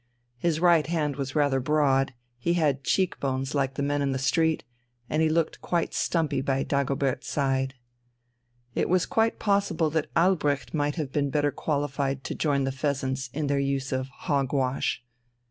His right hand was rather broad, he had cheek bones like the men in the street, and he looked quite stumpy by Dagobert's side. It was quite possible that Albrecht might have been better qualified to join the "Pheasants" in their use of "hog wash."